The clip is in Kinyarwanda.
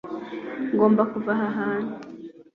Ngomba kuva aha hantu. (Spamster)